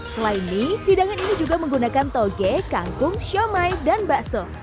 selain mie hidangan ini juga menggunakan toge kangkung siomay dan bakso